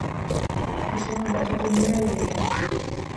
Кешенең бәхете нимәлә икән?